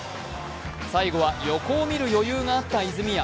最後は横を見る余裕があった泉谷。